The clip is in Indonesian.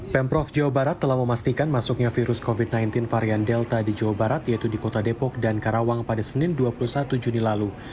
pemprov jawa barat telah memastikan masuknya virus covid sembilan belas varian delta di jawa barat yaitu di kota depok dan karawang pada senin dua puluh satu juni lalu